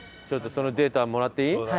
ちょっとそのデータもらっていい？